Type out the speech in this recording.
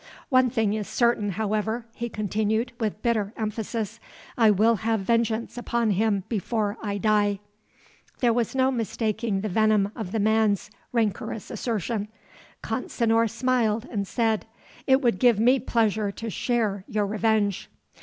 One thing is certain, however," he continued, with bitter emphasis, "I will have vengeance upon him before I die!" There was no mistaking the venom of the man's rancorous assertion. Consinor smiled, and said: "It would give me pleasure to share your revenge."